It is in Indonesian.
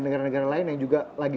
negara negara lain yang juga lagi